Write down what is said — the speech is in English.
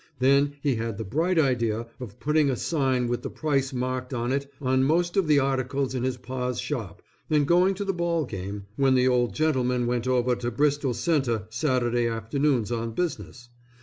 Then he had the bright idea of putting a sign with the price marked on it on most of the articles in his Pa's shop and going to the ball game, when the old gentleman went over to Bristol Centre Saturday afternoons on business.